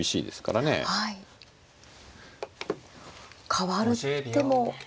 かわる手も。